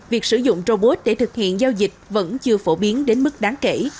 việc sử dụng robot để thực hiện giao dịch vẫn chưa phổ biến đến mức đáng kể